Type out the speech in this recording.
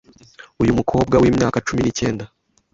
Uyu mukobwa w’imyaka cumi ni kenda